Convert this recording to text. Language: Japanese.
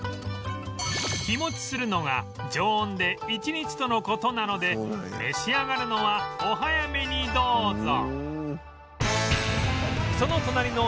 日持ちするのが常温で１日との事なので召し上がるのはお早めにどうぞ